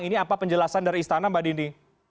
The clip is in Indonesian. ini apa penjelasan dari istana mbak dini